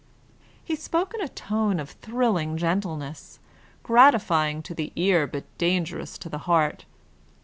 He spoke in a tone of thrilling gentleness, gratifying to the ear but dangerous to the heart.